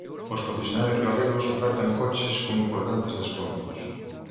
Os concesionarios galegos ofertan coches con importantes descontos.